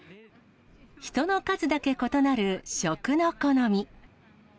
人の数だけ異なる食の好み。